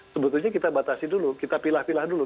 sebetulnya kita batasi dulu kita pilah pilah dulu